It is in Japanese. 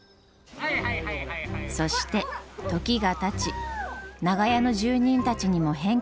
そして時がたち長屋の住人たちにも変化が。